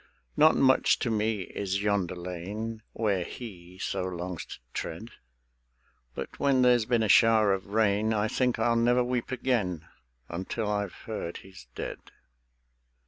Not much to me is yonder lane Where he so longs to tread; But when there's been a shower of rain I think I'll never weep again Until I've heard he's dead.